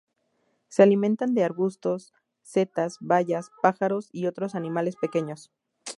Se alimentan de arbustos, setas, bayas, pájaros y otros animales pequeños.